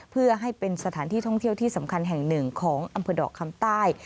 เพื่อให้เป็นสถานที่ท่องเที่ยวที่สำคัญแห่งหนึ่งของอำเภอดอกคำใต้